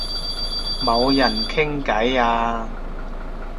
冇人傾偈啊